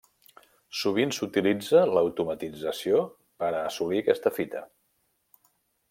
Sovint s'utilitza l'automatització per a assolir aquesta fita.